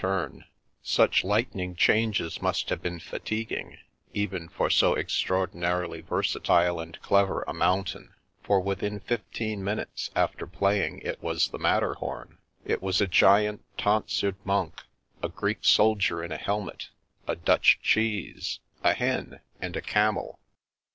The Fairy Prince's Ring 345 Such lightning changes must have been fatiguing, even for so extraordinarily versatile and clever a mountain, for within fifteen minutes after playing it was the Matterhom, it was a giant, tonsured monk ; a Greek soldier in a helmet ; a Dutch cheese ; a hen, and a camel.